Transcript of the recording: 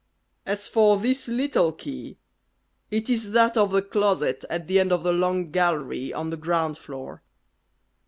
As for this little key, it is that of the closet at the end of the long gallery, on the ground floor.